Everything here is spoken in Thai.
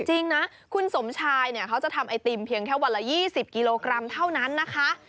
จริงนะคุณสมชายเนี่ยเขาจะทำไอติมเพียงแค่วันละ๒๐กิโลกรัมเท่านั้นนะคะ